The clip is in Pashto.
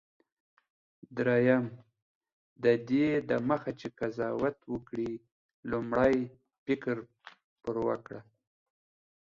دریم: ددې دمخه چي قضاوت وکړې، لومړی فکر پر وکړه.